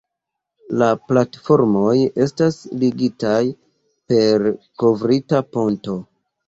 La platformoj estas ligitaj per kovrita ponto.